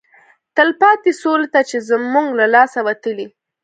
تلپاتې سولې ته چې زموږ له لاسه وتلی